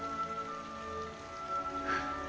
はあ。